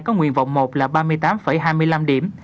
có nguyện vọng một là ba mươi tám hai mươi năm điểm